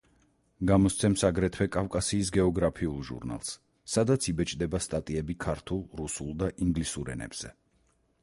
გამოსცემს აგრეთვე „კავკასიის გეოგრაფიულ ჟურნალს“, სადაც იბეჭდება სტატიები ქართულ, რუსულ და ინგლისურ ენებზე.